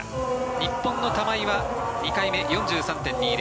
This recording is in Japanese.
日本の玉井は２回目４３．２０